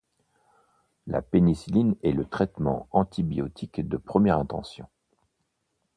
La pénicilline est le traitement antibiotique de première intention..